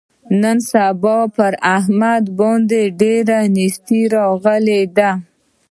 نن سبا په احمد باندې ډېره نیستي راغلې ده.